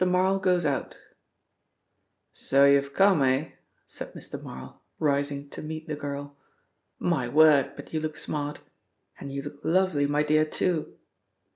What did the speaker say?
MARL GOES OUT "So you've come, eh?" said Mr. Marl, rising to greet the girl. "My word, but you look smart! And you look lovely, my dear, too!"